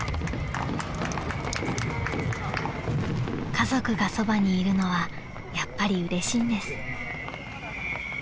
［家族がそばにいるのはやっぱりうれしいんです］